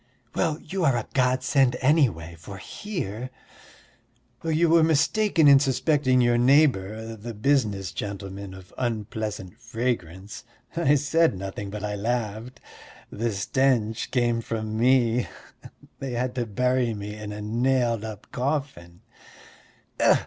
Well, you are a godsend, anyway, for here...." "You were mistaken in suspecting your neighbour, the business gentleman, of unpleasant fragrance.... I said nothing, but I laughed. The stench came from me: they had to bury me in a nailed up coffin."